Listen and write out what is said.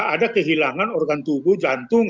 ada kehilangan organ tubuh jantung